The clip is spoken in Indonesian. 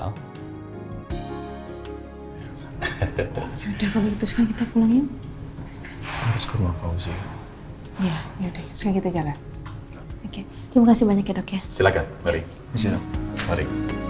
ya udah kamu itu sekarang kita pulangin ya ya udah sekarang kita jalan ya silakan mari